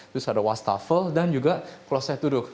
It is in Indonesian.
terus ada wastafel dan juga kloset duduk